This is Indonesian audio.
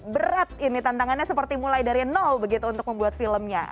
berat ini tantangannya seperti mulai dari nol begitu untuk membuat filmnya